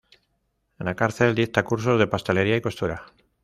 En la cárcel dicta cursos de pastelería y costura.